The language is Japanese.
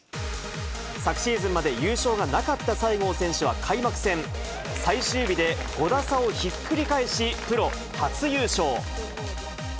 昨シーズンまで優勝がなかった西郷選手は開幕戦、最終日で５打差をひっくり返し、プロ初優勝。